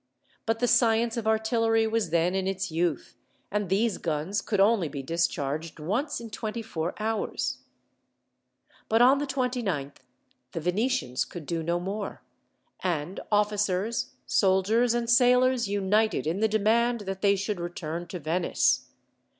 But the science of artillery was then in its youth, and these guns could only be discharged once in twenty four hours. But, on the 29th, the Venetians could do no more, and officers, soldiers, and sailors united in the demand that they should return to Venice.